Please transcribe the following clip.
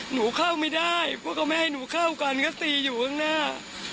หนูเข้าไม่ได้พวกเขาไม่ให้หนูเข้ากันก็ตีอยู่ข้างหน้า